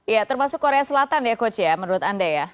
ya termasuk korea selatan ya coach ya menurut anda ya